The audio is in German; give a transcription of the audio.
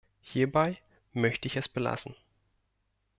Hierbei möchte ich es belassen.